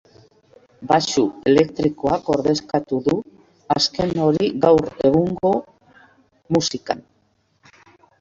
Baxu elektrikoak ordezkatu du azken hori gaur egungo musikan.